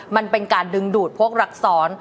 มันเป็นการดึงดูดพวกรักษร